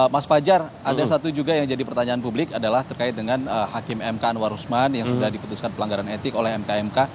mas fajar ada satu juga yang jadi pertanyaan publik adalah terkait dengan hakim mk anwar usman yang sudah diputuskan pelanggaran etik oleh mk mk